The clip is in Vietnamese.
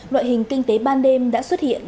loại hình kinh tế ban đêm đã xuất hiện